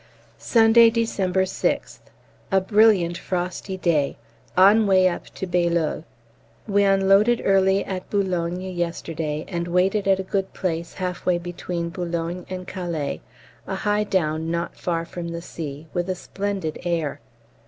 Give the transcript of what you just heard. Sunday, December 6th. A brilliant frosty day on way up to Bailleul. We unloaded early at B. yesterday, and waited at a good place half way between B. and Calais, a high down not far from the sea, with a splendid air.